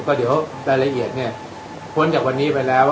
ก็เดี๋ยวรายละเอียดเนี่ยพ้นจากวันนี้ไปแล้ว